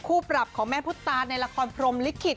ปรับของแม่พุทธตาในละครพรมลิขิต